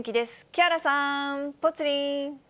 木原さん、ぽつリン。